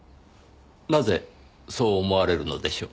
なぜそう思われるのでしょう？